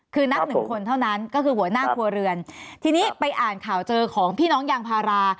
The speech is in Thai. คือนับหนึ่งคนเท่านั้นก็คือหัวหน้าครัวเรือนทีนี้ไปอ่านข่าวเจอของพี่น้องยางพารา